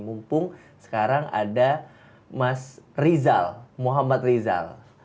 mumpung sekarang ada mas rizal muhammad rizal